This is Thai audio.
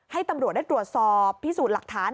ให้ตำรวจได้ตรวจสอบพิสูจน์หลักฐาน